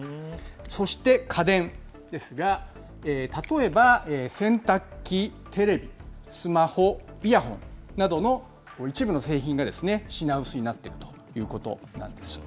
そして家電ですが、例えば、洗濯機、テレビ、スマホ、イヤホンなどの一部の製品が品薄になっているということなんです。